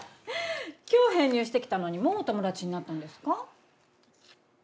今日編入してきたのにもうお友達になったんですか？